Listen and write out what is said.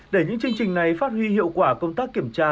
để những chương trình này phát huy hiệu quả công tác kiểm tra